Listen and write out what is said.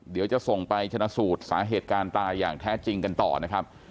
เดี๋ยวจะส่งไปชนะสูตรสาเหตุการณ์ตายอย่างแท้จริงกันต่อนะครับ